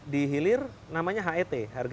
di hilir namanya het harga